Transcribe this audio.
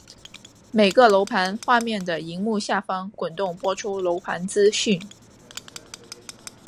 每个楼盘画面的萤幕下方滚动播出楼盘资讯。